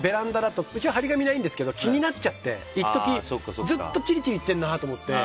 貼り紙はないんですけど気になっちゃって一時、ずっとチリチリいってるなと思って。